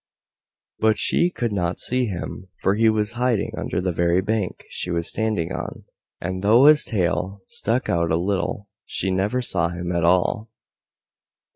But she could not see him, for he was hiding under the very bank she was standing on, and though his tail stuck out a little she never saw him at all.